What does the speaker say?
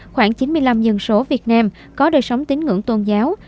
khoảng chín mươi năm dân số việt nam có đời sống tín ngưỡng tôn giáo